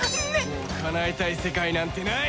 もうかなえたい世界なんてない！